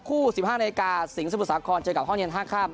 คู่๑๕นาฬิกาสิงห์สมุดสาคอนเจอกับห้องเย็นห้างข้าม